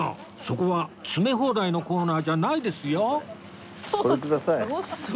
そこは詰め放題のコーナーじゃないですよ